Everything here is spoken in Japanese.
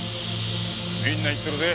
みんな言ってるぜ。